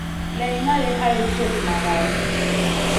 Lay ngali hay toud na vaya.